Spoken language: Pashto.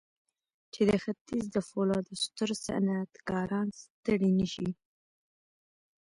چې د ختيځ د پولادو ستر صنعتکاران ستړي نه شي.